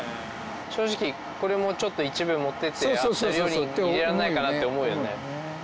正直これもちょっと一部持ってって明日の料理に入れられないかなって思うよね。